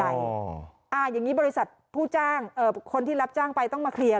อย่างนี้บริษัทผู้จ้างคนที่รับจ้างไปต้องมาเคลียร์